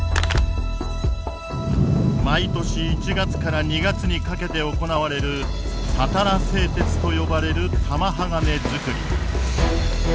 毎年１月から２月にかけて行われるたたら製鉄と呼ばれる玉鋼づくり。